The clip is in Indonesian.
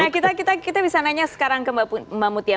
nah kita bisa nanya sekarang ke mbak mutia